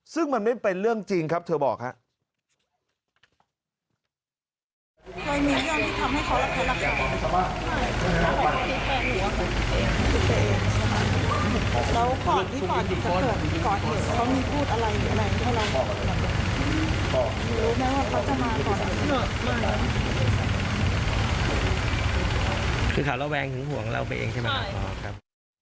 ซึ่งมันไม่เป็นเรื่องจริงครับเธอบอกครับ